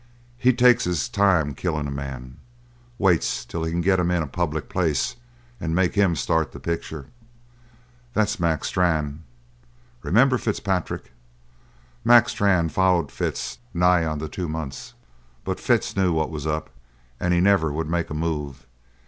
He takes his time killin' a man. Waits till he can get him in a public place and make him start the picture. That's Mac Strann! Remember Fitzpatrick? Mac Strann followed Fitz nigh onto two months, but Fitz knew what was up and he never would make a move.